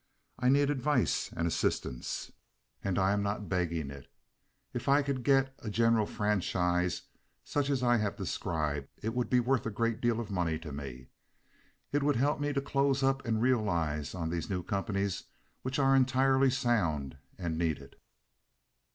I need advice and assistance, and I am not begging it. If I could get a general franchise, such as I have described, it would be worth a very great deal of money to me. It would help me to close up and realize on these new companies which are entirely sound and needed.